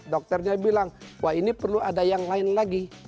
dokternya bilang wah ini perlu ada yang lain lagi